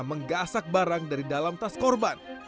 menggasak barang dari dalam tas korban